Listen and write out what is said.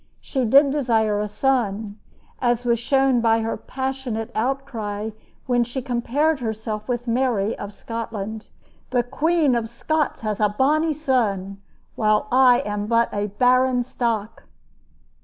She did desire a son, as was shown by her passionate outcry when she compared herself with Mary of Scotland. "The Queen of Scots has a bonny son, while I am but a barren stock!"